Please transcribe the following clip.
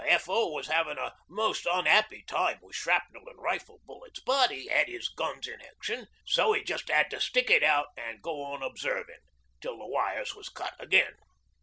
The F.O. was 'avin' a most unhappy time with shrapnel an' rifle bullets, but 'e 'ad 'is guns in action, so 'e just 'ad to stick it out an' go on observin', till the wires was cut again.